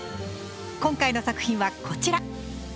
今回の作品はこちら。